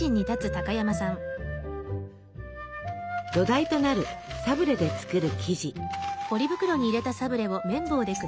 土台となるサブレで作る生地。